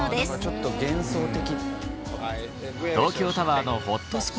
ちょっと幻想的。